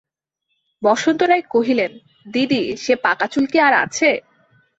বসন্ত রায় কহিলেন, দিদি সে পাকাচুল কি আর আছে?